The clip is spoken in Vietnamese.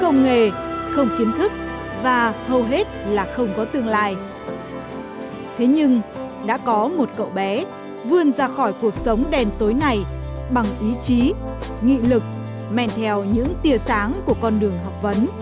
thế nhưng đã có một cậu bé vươn ra khỏi cuộc sống đen tối này bằng ý chí nghị lực men theo những tìa sáng của con đường học vấn